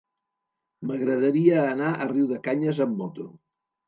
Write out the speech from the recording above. M'agradaria anar a Riudecanyes amb moto.